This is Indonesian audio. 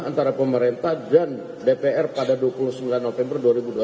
antara pemerintah dan dpr pada dua puluh sembilan november dua ribu dua puluh